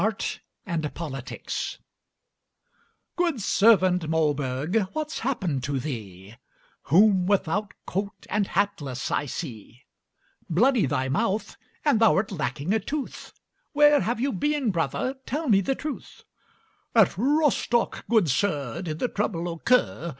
ART AND POLITICS "Good servant Mollberg, what's happened to thee, Whom without coat and hatless I see? Bloody thy mouth and thou'rt lacking a tooth! Where have you been, brother? tell me the truth." "At Rostock, good sir, Did the trouble occur.